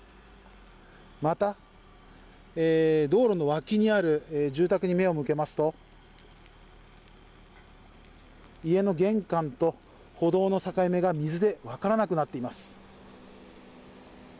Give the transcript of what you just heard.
また、道路の脇にある住宅に目を向けますと家の玄関と歩道の境目が水で分からなくなっています。